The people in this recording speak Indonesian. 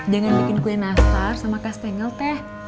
jangan bikin kue nastar sama kastengel teh